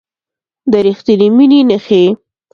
د ریښتینې مینې نښې